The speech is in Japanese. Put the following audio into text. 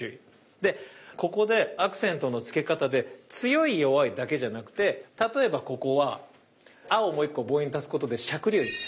でここでアクセントの付け方で強い弱いだけじゃなくて例えばここは「あ」をもう１個母音足すことでしゃくりを入れる。